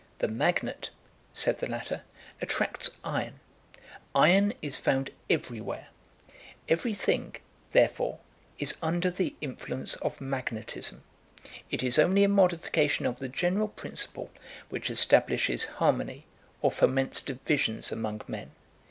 "The magnet," said the latter, "attracts iron; iron is found every where; every thing, therefore, is under the influence of magnetism. It is only a modification of the general principle, which establishes harmony or foments divisions among men.